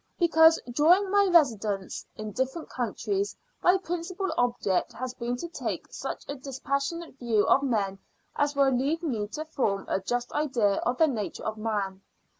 Because, during my residence in different countries, my principal object has been to take such a dispassionate view of men as will lead me to form a just idea of the nature of man.